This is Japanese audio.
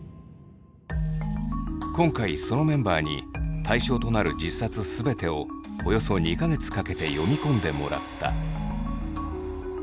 今回そのメンバーに対象となる１０冊全てをおよそ２か月かけて読み込んでもらった。